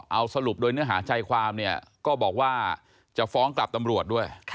เอาสรุปด้วยเนื้อหาชัยความก็บอกว่าจะฟ้องกลับตำรวจด้วย